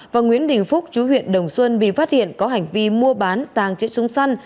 và nguyễn đình phúc chú huyện đồng xuân bị phát hiện có hành vi mua bán tàng trữ súng săn